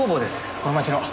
この町の。